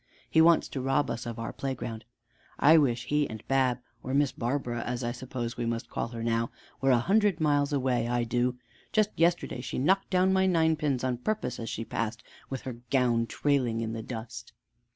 He wants to rob us of our playground. I wish he and Bab, or Miss Barbara, as I suppose we must now call her, were a hundred miles away, I do. Just yesterday she knocked down my ninepins on purpose as she passed with her gown trailing in the dust."